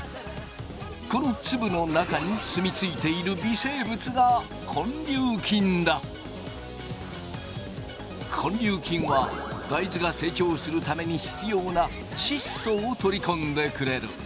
この粒の中にすみついている微生物が根粒菌は大豆が成長するために必要なちっ素を取り込んでくれる。